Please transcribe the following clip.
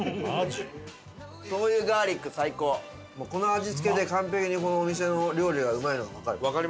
この味付けで完璧にこのお店の料理がうまいのがわかる。